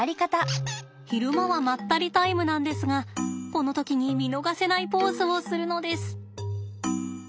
昼間はまったりタイムなんですがこの時に見逃せないポーズをするのです。